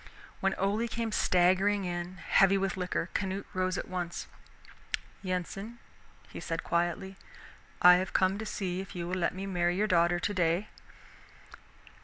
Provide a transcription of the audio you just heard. When Ole came staggering in, heavy with liquor, Canute rose at once. "Yensen," he said quietly, "I have come to see if you will let me marry your daughter today."